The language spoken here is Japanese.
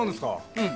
うん。